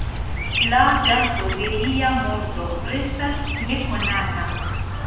La dato de lia morto restas nekonata.